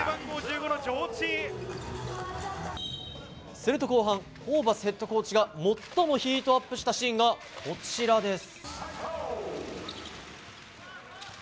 すると、後半ホーバスヘッドコーチが最もヒートアップしたシーンがこちらです。